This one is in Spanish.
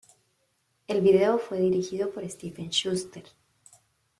El video fue dirigido por Stephen Schuster.